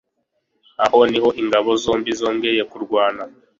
Aho niho ingabo zombi zongeye kurwana.